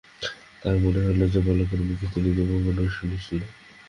তাঁহার মনে হইল যেন বালকের মুখে তিনি দৈববাণী শুনিলেন।